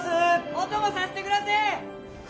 ・お供させてくだせぇ！